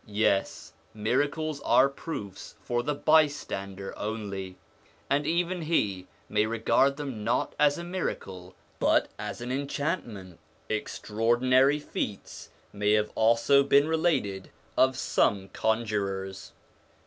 Yes, miracles are proofs for the bystander only, and even he may regard them not as a miracle but as an enchantment. ON THE INFLUENCE OF THE PROPHETS 45 Extraordinary feats have also been related of some conjurors.